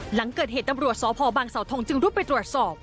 หลังเกิดเหตุตำรวจสพบังเสาทงจึงรุดไปตรวจสอบ